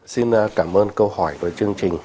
xin cảm ơn câu hỏi của chương trình